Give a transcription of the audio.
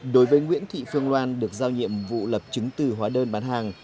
đối với nguyễn thị phương loan được giao nhiệm vụ lập chứng từ hóa đơn bán hàng